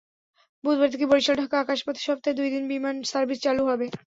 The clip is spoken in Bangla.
বুধবার থেকে বরিশাল-ঢাকা আকাশপথে সপ্তাহে দুই দিন বিমান সার্ভিস চালু হবে।